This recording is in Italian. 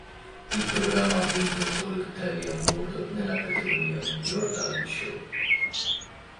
Il programma ha vinto un Talk Telly Award nella categoria "miglior talent show".